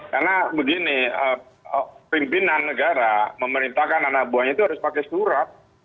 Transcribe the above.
karena begini pimpinan negara memerintahkan anak buahnya itu harus pakai surat